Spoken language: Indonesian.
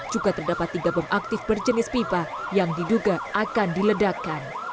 juga terdapat tiga bom aktif berjenis pipa yang diduga akan diledakkan